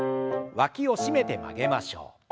わきを締めて曲げましょう。